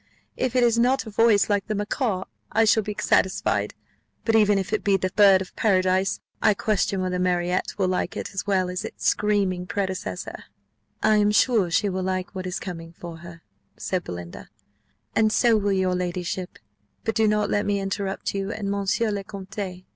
If it has not a voice like the macaw I shall be satisfied; but even if it be the bird of paradise, I question whether Marriott will like it as well as its screaming predecessor." "I am sure she will like what is coming for her," said Belinda, "and so will your ladyship; but do not let me interrupt you and monsieur le Comte."